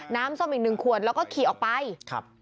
น้ำส้มอีกหนึ่งขวดแล้วก็ขี่ออกไปครับ